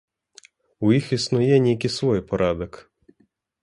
У іх існуе нейкі свой парадак.